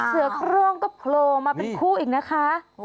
เสือโครงก็โผล่มาเป็นคู่อีกนะคะ